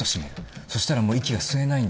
そしたらもう息が吸えないんです。